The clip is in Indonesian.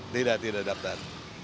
tidak tidak daftar